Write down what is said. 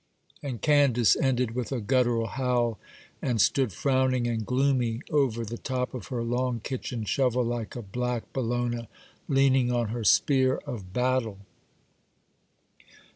And Candace ended with a guttural howl, and stood frowning and gloomy over the top of her long kitchen shovel, like a black Bellona leaning on her spear of battle.